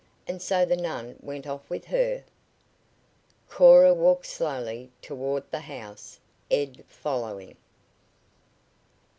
And so the nun went off with her?" Cora walked slowly toward the house, Ed following.